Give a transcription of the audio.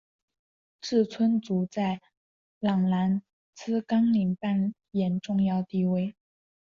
志村簇在郎兰兹纲领扮演重要地位。